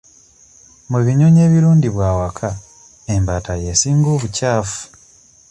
Mu binyonyi ebirundibwa awaka embaata y'esinga obukyafu.